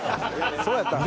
そうやったん？